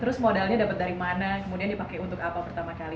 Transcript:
terus modalnya dapat dari mana kemudian dipakai untuk apa pertama kali